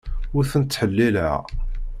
Ur tent-ttḥellileɣ.